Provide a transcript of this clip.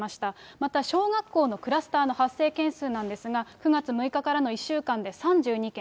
また、小学校のクラスターの発生件数なんですが、９月６日からの１週間で３２件。